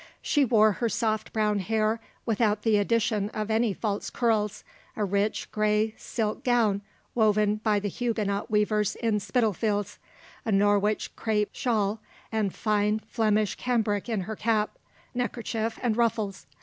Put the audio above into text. She wore her soft brown hair without the addition of any false curls, a rich grey silk gown woven by the Huguenot weavers in Spitalfields, a Norwich crape shawl, and fine Flemish cambric in her cap, neckerchief, and ruffles.